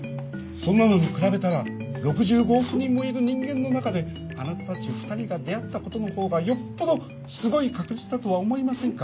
そんなのに比べたら６５億人もいる人間の中であなたたち２人が出会ったことの方がよっぽどすごい確率だとは思いませんか？